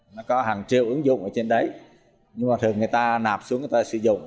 nó có hàng triệu ứng dụng ở trên đấy nhưng mà thường người ta nạp xuống người ta sử dụng